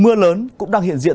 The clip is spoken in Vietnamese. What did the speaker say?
mưa lớn cũng đang hiện diện